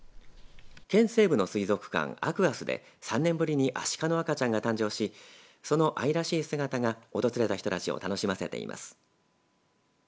県西部の水族館アクアスで３年ぶりにアシカの赤ちゃんが誕生しその愛らしい姿が訪れた人たちを楽しませています。